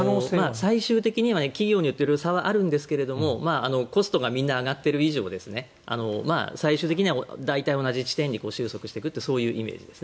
最終的には企業によって差はありますがコストがみんな上がっている以上最終的には大体、同じ地点に収束していくというイメージですね。